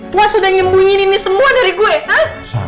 puas sudah nyembunyi ini semua dari gue ha